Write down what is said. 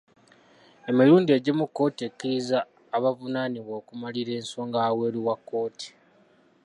Emirundi egimu kkooti ekkiriza abavunaanibwa okumaliriza ensonga wabweru wa kkooti.